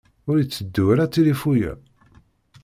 Ur iteddu ara tilifu-ya.